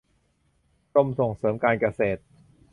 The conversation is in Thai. กรมส่งเสริมการเกษตร